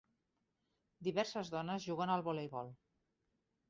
Diverses dones juguen al voleibol.